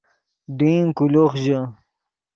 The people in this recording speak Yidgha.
ڈین کولوخ ژے